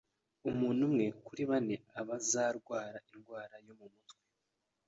Umuntu umwe kuri bane aba azarwara indwara yo mu mutwe.